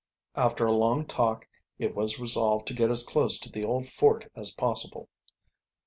After a long talk it was resolved to get as close to the old fort as possible.